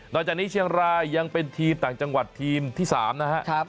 จากนี้เชียงรายยังเป็นทีมต่างจังหวัดทีมที่๓นะครับ